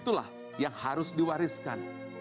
itulah yang harus diwariskan